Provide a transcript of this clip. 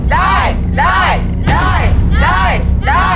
ได้ได้ได้ได้ได้